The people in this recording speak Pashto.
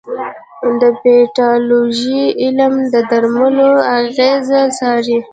د پیتالوژي علم د درملو اغېز څاري.